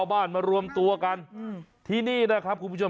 แบบนี้คือแบบนี้คือแบบนี้คือแบบนี้คือ